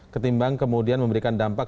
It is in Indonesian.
ketimbang kemudian memberikan dampak